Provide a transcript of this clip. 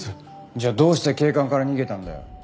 じゃあどうして警官から逃げたんだよ？